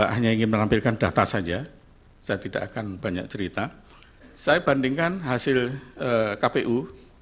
hanya ingin menampilkan data saja saya tidak akan banyak cerita saya bandingkan hasil kpu